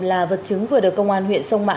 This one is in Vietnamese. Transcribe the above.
là vật chứng vừa được công an huyện sông mã